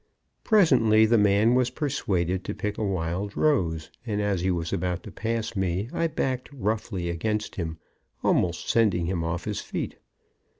Presently the man was persuaded to pick a wild rose, and as he was about to pass me I backed roughly against him, almost sending him off his feet.